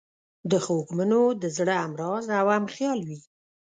د خوږمنو د زړه همراز او همخیال وي.